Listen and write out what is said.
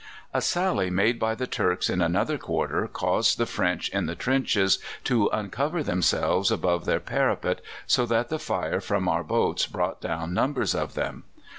A sally made by the Turks in another quarter caused the French in the trenches to uncover themselves above their parapet, so that the fire from our boats brought down numbers of them.